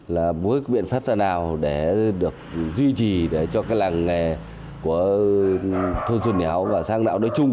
là bước biện pháp nào để được duy trì cho cái làng nghề của thôn xuân nhà hóa và sang đạo đối chung